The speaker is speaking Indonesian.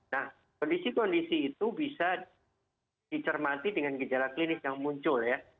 nah kondisi kondisi itu bisa dicermati dengan gejala klinis yang muncul ya